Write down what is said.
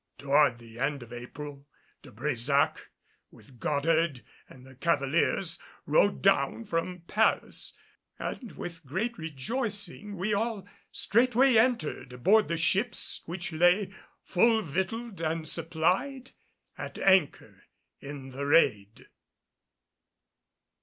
Toward the end of April, De Brésac with Goddard, and the cavaliers, rode down from Paris, and with great rejoicing we all straightway entered aboard the ships which lay, full victualed and supplied, at anchor in the Rade.